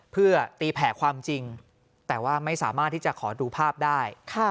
เพื่อตีแผ่ความจริงแต่ว่าไม่สามารถที่จะขอดูภาพได้